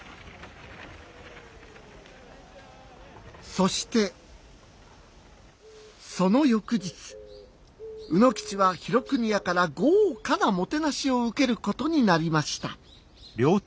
そしてその翌日卯之吉は廣國屋から豪華なもてなしを受けることになりました。